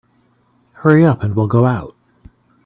Hurry up and we'll go out.